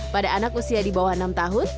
pada anak usia di bawah enam tahun